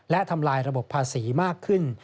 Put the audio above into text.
และทำลายระบบภาษีมากขึ้น